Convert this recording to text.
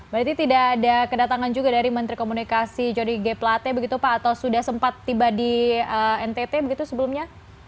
berarti tidak ada kedatangan juga dari menteri komunikasi jody g plate begitu pak atau sudah sempat tiba di ntt begitu sebelumnya